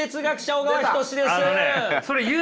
小川仁志です！